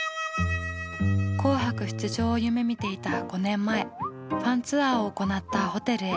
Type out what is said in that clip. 「紅白」出場を夢みていた５年前ファンツアーを行ったホテルへ。